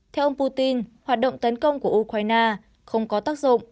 theo ông putin hoạt động tấn công của ukraine không có tác dụng